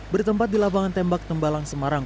bertempat di lapangan tembak tembalang semarang